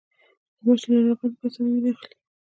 غوماشې له ناروغو کسانو وینه اخلي.